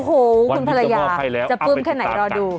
โอ้โหคุณภรรยาจะปลื้มแค่ไหนรอดู